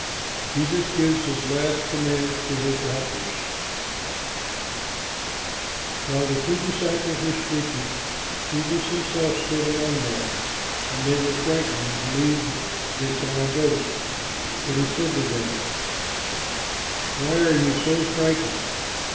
JESUS GIVES HIS LAST COMMANDS TO HIS HELPERS While the two disciples were speaking, Jesus himself stood among them. And they were frightened and believed that they saw a ghost; but he said to them, "Why are you so frightened?